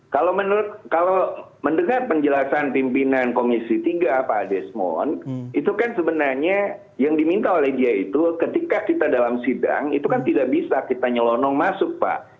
kalau mendengar penjelasan pimpinan komisi tiga pak desmond itu kan sebenarnya yang diminta oleh dia itu ketika kita dalam sidang itu kan tidak bisa kita nyelonong masuk pak